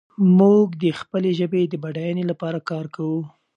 موږ د خپلې ژبې د بډاینې لپاره کار کوو.